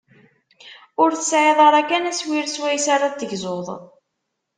Ur tesɛiḍ ara kan aswir swayes ara t-tegzuḍ.